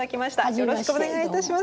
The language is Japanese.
よろしくお願いします。